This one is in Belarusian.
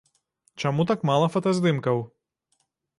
Чаму так мала фотаздымкаў?